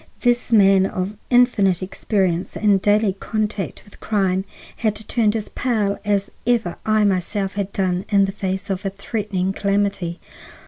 This man of infinite experience and daily contact with crime had turned as pale as ever I myself had done in face of a threatening calamity.